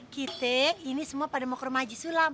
kita ini semua pada mau ke rumah haji sulam